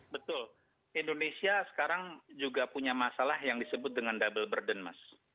betul indonesia sekarang juga punya masalah yang disebut dengan double burden mas